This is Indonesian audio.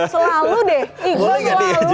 selalu deh ikut selalu